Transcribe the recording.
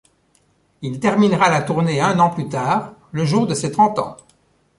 Il terminera la tournée un an plus tard, le jour de ses trente ans.